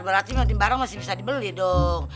berarti nanti barang masih bisa dibeli dong